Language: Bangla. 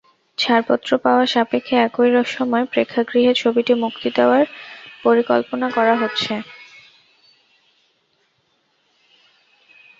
ছাড়পত্র পাওয়া সাপেক্ষে একই সময় প্রেক্ষাগৃহে ছবিটি মুক্তি দেওয়ার পরিকল্পনা করা হচ্ছে।